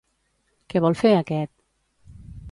Què vol fer aquest?